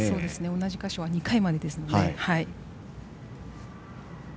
同じ箇所は２回までですので。